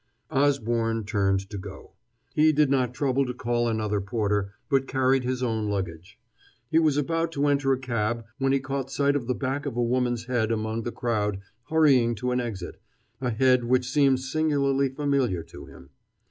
Osborne turned to go. He did not trouble to call another porter, but carried his own luggage. He was about to enter a cab when he caught sight of the back of a woman's head among the crowd hurrying to an exit, a head which seemed singularly familiar to him.